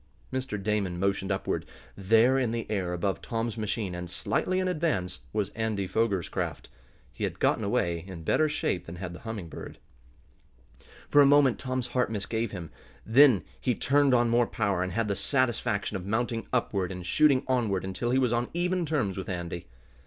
Mr. Damon motioned upward. There, in the air above Tom's machine, and slightly in advance, was Andy Foger's craft. He had gotten away in better shape than had the Humming Bird. For a moment Tom's heart misgave him. Then he turned on more power, and had the satisfaction of mounting upward and shooting onward until he was on even terms with Andy.